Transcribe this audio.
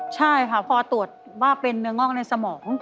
ใช่ค่ะพอตรวจว่าเป็นเนื้องอกในสมอง